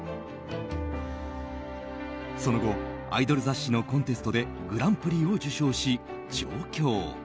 その後、アイドル雑誌のコンテストでグランプリを受賞し、上京。